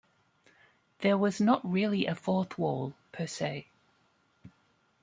There was not really a fourth wall, per se.